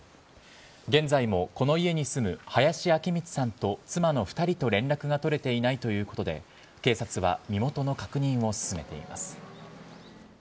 現在もこの家に住む林明光さんと妻の２人と連絡が取れていないということで、警察は身元の確認を進めています。